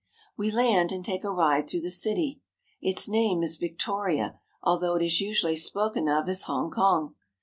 We land and take a ride through the city. Its name is Victoria, although it is usually spoken of as Hong kong.